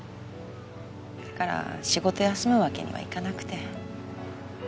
だから仕事休むわけにはいかなくて。